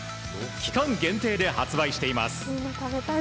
期間限定で発売しています。